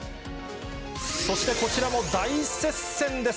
そしてこちらも大接戦です。